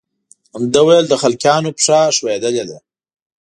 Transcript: ده ویل د خلقیانو پښه ښویېدلې ده.